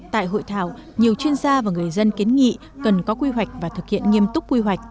tại hội thảo nhiều chuyên gia và người dân kiến nghị cần có quy hoạch và thực hiện nghiêm túc quy hoạch